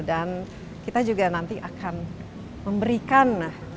dan kita juga nanti akan memberikan